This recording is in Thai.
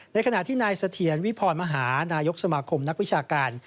ขณะที่นายเสถียรวิพรมหานายกสมาคมนักวิชาการ